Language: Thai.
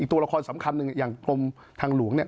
ตัวละครสำคัญหนึ่งอย่างกรมทางหลวงเนี่ย